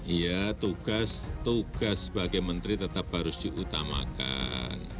iya tugas tugas sebagai menteri tetap harus diutamakan